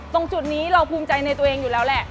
ตรงจุดนี้เราภูมิใจในตัวเองอยู่แล้วแหละ